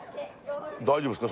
大丈夫ですか？